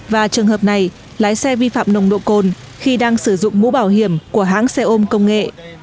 và trường hợp này lái xe vi phạm nồng độ cồn khi đang sử dụng mũ bảo hiểm của hãng xe ôm công nghệ